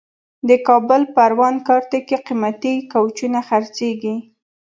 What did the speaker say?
د کابل پروان کارته کې قیمتي کوچونه خرڅېږي.